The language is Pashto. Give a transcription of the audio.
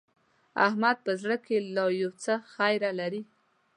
احمد په زړه کې لا يو څه خيره لري.